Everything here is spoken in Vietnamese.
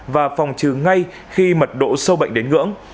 và phòng trừ ngay khi mật độ sâu bệnh đến ngưỡng